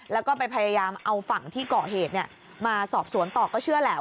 แล้วก็ไปพยายามเอาฝั่งที่เกาะเหตุมาสอบสวนต่อก็เชื่อแหละ